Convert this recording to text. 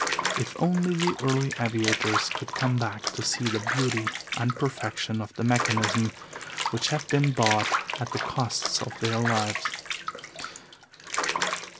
If only the early aviators could come back to see the beauty and perfection of the mechanism which have been bought at the cost of their lives!